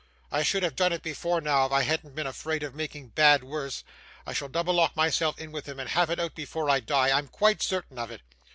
I should have done it before now, if I hadn't been afraid of making bad worse. I shall double lock myself in with him and have it out before I die, I'm quite certain of it.